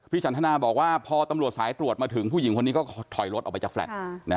สันทนาบอกว่าพอตำรวจสายตรวจมาถึงผู้หญิงคนนี้ก็ถอยรถออกไปจากแลต์